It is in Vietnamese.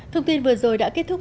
thông tin vừa rồi đã kết thúc